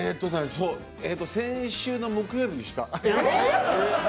先週の木曜日にした。